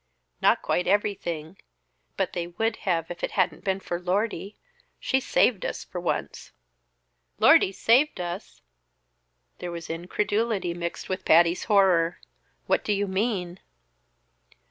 "Not quite everything, but they would have if it hadn't been for Lordy. She saved us for once." "Lordy saved us!" There was incredulity mixed with Patty's horror. "What do you mean?"